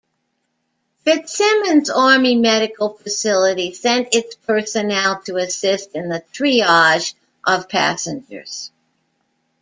Fitzsimmons Army Medical Facility sent its personnel to assist in the triage of passengers.